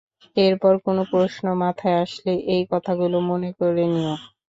এরপর কোন প্রশ্ন মাথায় আসলে এই কথাগুলো মনে করে নিও।